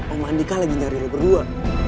om mandika lagi nyari lo berdua